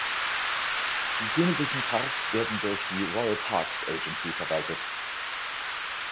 Die königlichen Parks werden durch die "Royal Parks Agency" verwaltet.